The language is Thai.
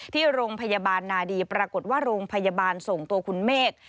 ที่โรงพยาบาลนาดีปรากฏว่าโรงพยาบาลส่งตัวคุณเมฆ